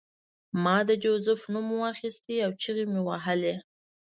ما د جوزف نوم واخیست او چیغې مې وهلې